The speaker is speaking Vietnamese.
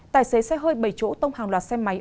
tài xế xe hơi bảy chỗ tông hàng loạt xe máy